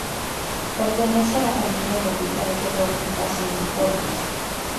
Pertenece a la familia Corvidae del orden Passeriformes.